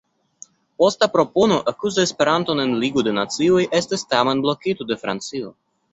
Posta propono ekuzi Esperanton en Ligo de Nacioj estis tamen blokita de Francio.